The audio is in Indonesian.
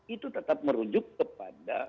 itu tetap merujuk kepada